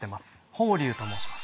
峰龍と申します